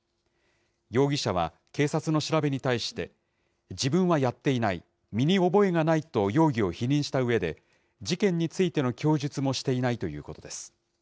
容疑者は、警察の調べに対して、自分はやっていない、身に覚えがないと容疑を否認したうえで、事件についての供述もしていないということです。